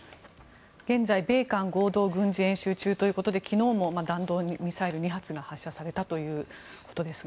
現在米韓合同軍事演習中ということで昨日も弾道ミサイル２発が発射されたということですが。